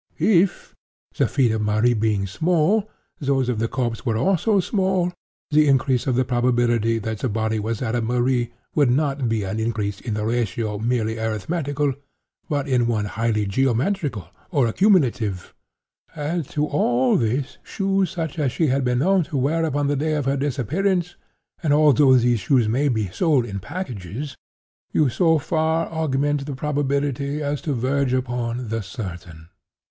If, the feet of Marie being small, those of the corpse were also small, the increase of probability that the body was that of Marie would not be an increase in a ratio merely arithmetical, but in one highly geometrical, or accumulative. Add to all this shoes such as she had been known to wear upon the day of her disappearance, and, although these shoes may be 'sold in packages,' you so far augment the probability as to verge upon the certain.